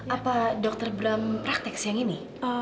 apa dokter bram praktek siang ini